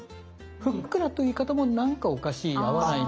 ふっくらという言い方もなんかおかしい合わないなっていう。